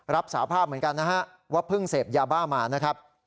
รับสาภาพเหมือนกันนะฮะว่าเพิ่งเสพยาบ้ามานะครับ